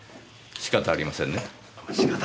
仕方ありませんね。